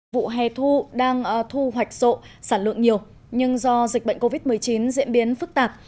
vụ hè thu đang thu hoạch rộ sản lượng nhiều nhưng do dịch bệnh covid một mươi chín diễn biến phức tạp